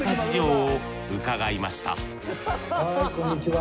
はいこんにちは。